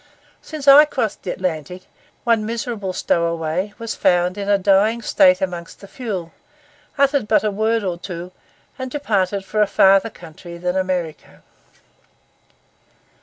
Since I crossed the Atlantic, one miserable stowaway was found in a dying state among the fuel, uttered but a word or two, and departed for a farther country than America.